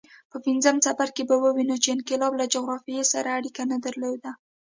په پنځم څپرکي کې به ووینو چې انقلاب له جغرافیې سره اړیکه نه درلوده.